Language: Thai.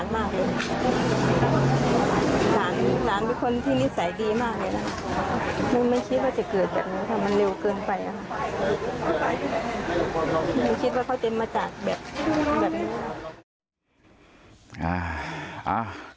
หนูคิดว่าเขาเต็มมาจากแบบนี้